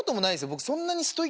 僕。